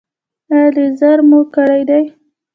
ایا لیزر مو کړی دی؟